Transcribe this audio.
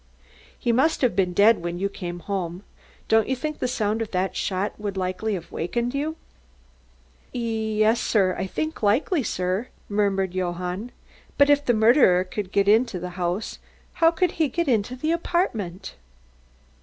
"He must have been dead when you came home. Don't you think the sound of that shot would have wakened you?" "Yes, sir, I think likely, sir," murmured Johann. "But if the murderer could get into the house, how could he get into the apartment?"